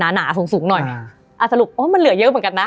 หนาสูงสูงหน่อยอ่าสรุปโอ้มันเหลือเยอะเหมือนกันนะ